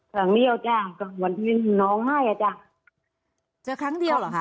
ครั้งเดียวจ้ะกลางวันที่น้องให้อ่ะจ้ะเจอครั้งเดียวเหรอคะ